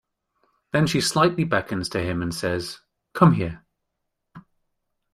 Then she slightly beckons to him and says, "Come here!"